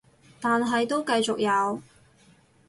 但係都繼續有